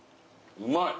うまい！